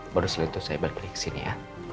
baru selitu saya balik balik ke sini ya